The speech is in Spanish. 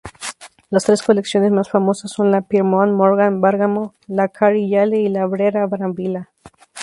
Las tres colecciones más famosas son la Pierpont-Morgan Bergamo, la Cary-Yale y la Brera-Brambilla.